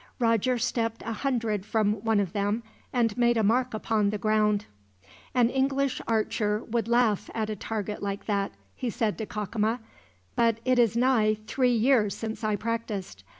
Roger stepped a hundred from one of them, and made a mark upon the ground. "An English archer would laugh at a target like that," he said to Cacama, "but it is nigh three years since I practiced.